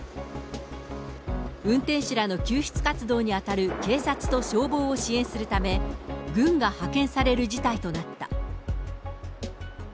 運転手らの救出活動に当たる警察と消防を支援するため、軍が派遣される事態となった。